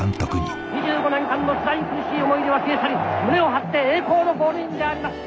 ２５年間のつらい苦しい思い出は消え去り胸を張って栄光のゴールインであります。